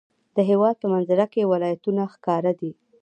د هېواد په منظره کې ولایتونه ښکاره دي.